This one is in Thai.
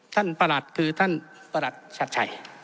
ท่านประหลัดคือท่านประหลัดชัดใจ